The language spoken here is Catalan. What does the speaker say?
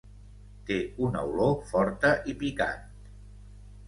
Té una olor forta i picant.